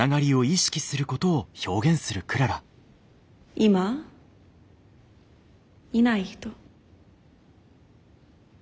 今いない人。